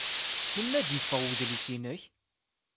Melmi ay d-yeffeɣ udlis-nnek?